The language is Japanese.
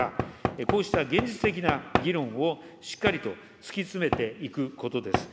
こうした現実的な議論をしっかりと突き詰めていくことです。